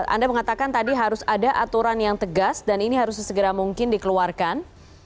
anda mengatakan tadi harus ada aturan yang tegas dan ini harus sesegera mungkin dikeluarkan